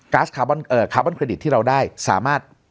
ก๊าซคาร์บอนเอ่อคาร์บอนเครดิตที่เราได้สามารถ